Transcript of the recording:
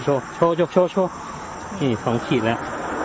โชว์โชว์โชว์โชว์โชว์นี่สองขีดแล้วอันนี้ก็ร้อยเนี้ย